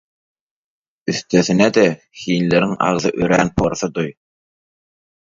Üstesine-de hinleriň agzy örän porsudy.